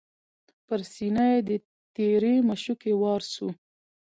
پر سینه یې د تیرې مشوکي وار سو